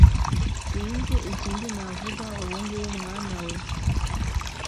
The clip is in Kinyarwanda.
Sinzi ikindi navuga ubungubu w'amwana we